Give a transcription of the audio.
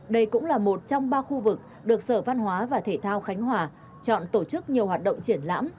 đây cũng là một trong ba khu vực được sở văn hóa và thể thao khánh hòa chọn tổ chức nhiều hoạt động triển lãm